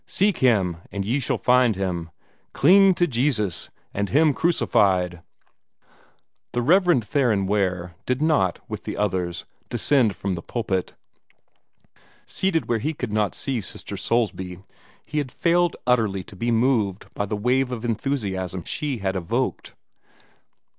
"Seek Him, and you shall find Him!" "Cling to Jesus, and Him Crucified!" The Rev. Theron Ware did not, with the others, descend from the pulpit. Seated where he could not see Sister Soulsby, he had failed utterly to be moved by the wave of enthusiasm she had evoked.